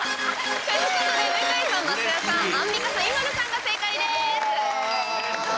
ということで向井さん、松也さんアンミカさん、ＩＭＡＬＵさんが正解です。